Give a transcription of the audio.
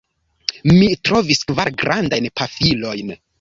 Mi trovis kvar grandajn pafilojn.